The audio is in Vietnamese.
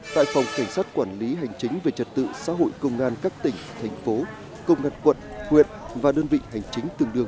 tại phòng cảnh sát quản lý hành chính về trật tự xã hội công an các tỉnh thành phố công an quận huyện và đơn vị hành chính tương đương